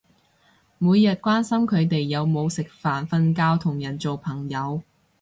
每日關心佢哋有冇食飯瞓覺同人做朋友